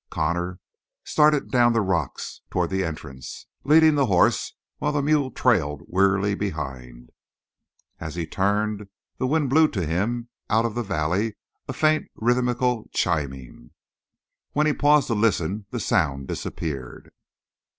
Connor started down the rocks toward the entrance, leading the horse, while the mule trailed wearily behind. As he turned, the wind blew to him out of the valley a faint rhythmical chiming. When he paused to listen the sound disappeared.